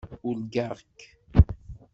Urgaɣ-k.